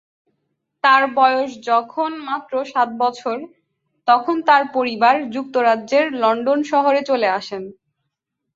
তার বয়স যখন মাত্র সাত বছর, তখন তার পরিবার যুক্তরাজ্যের লন্ডন শহরে চলে আসেন।